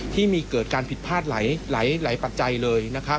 ที่มีเกิดการผิดพลาดหลายปัจจัยเลย